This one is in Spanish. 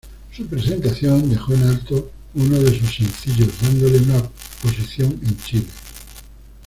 Su presentación dejó en alto uno de sus sencillos dándole una posición en Chile.